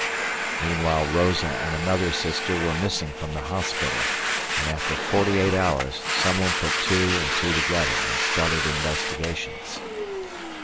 Meanwhile Rosa and another sister were missing from the hospital, and after forty eight hours someone put two and two together and started investigations.